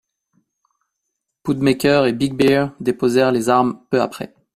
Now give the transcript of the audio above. Poundmaker et Big Bear déposèrent les armes peu après.